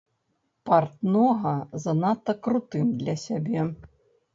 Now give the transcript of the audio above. Партнога занадта крутым для сябе.